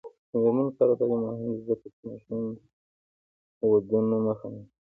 د میرمنو کار او تعلیم مهم دی ځکه چې ماشوم ودونو مخه نیسي.